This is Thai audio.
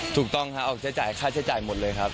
ถูกต้องครับออกใช้จ่ายค่าใช้จ่ายหมดเลยครับ